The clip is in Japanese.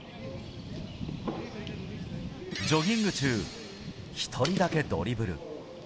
ジョギング中、１人だけドリブル。